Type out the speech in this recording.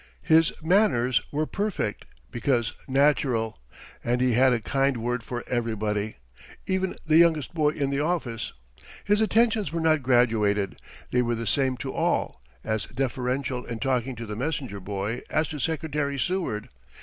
His manners were perfect because natural; and he had a kind word for everybody, even the youngest boy in the office. His attentions were not graduated. They were the same to all, as deferential in talking to the messenger boy as to Secretary Seward.